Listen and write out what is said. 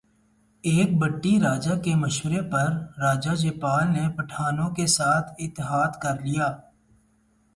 ایک بھٹی راجہ کے مشورے پر راجہ جے پال نے پٹھانوں کے ساتھ اتحاد کر لیا